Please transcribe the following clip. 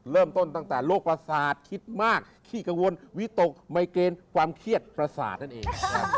เริ่มต้นตั้งแต่โรคประสาทคิดมากขี้กังวลวิตกไมเกณฑ์ความเครียดประสาทนั่นเอง